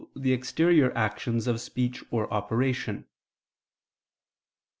the exterior actions of speech or operation.